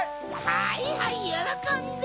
はいはいよろこんで！